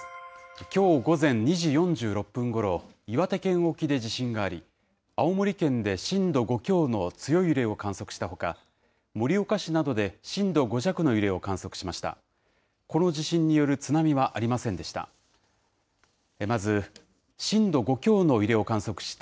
きょう午前２時４６分ごろ、岩手県沖で地震があり、青森県で震度５強の強い揺れを観測したほか、盛岡市などで震度５弱の揺れを観測しました。